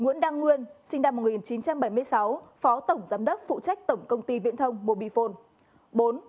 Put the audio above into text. một nguyễn đăng nguyên sinh năm một nghìn chín trăm bảy mươi sáu phó tổng giám đốc phụ trách tổng công ty viễn thông mobifone